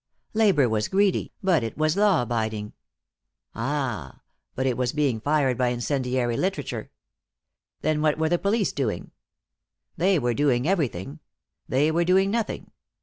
Labour was greedy, but it was law abiding. Ah, but it was being fired by incendiary literature. Then what were the police doing? They were doing everything. They were doing nothing.